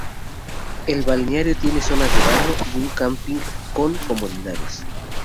El balneario tiene zonas de baño y un camping con comodidades.